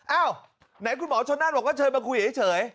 เอ้าไหนคุณหมอชนน้านบอกว่าเชิญมาเถียงแยะเฉย